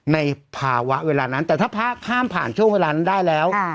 ในภาวะเวลานั้นแต่ถ้าพระข้ามผ่านช่วงเวลานั้นได้แล้ว